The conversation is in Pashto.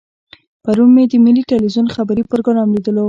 پرون مې د ملي ټلویزیون خبري پروګرام لیدلو.